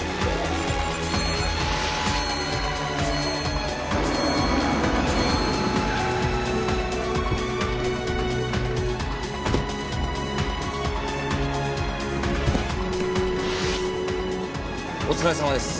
一課長お疲れさまです。